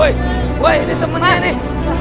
woy woy ini temennya nih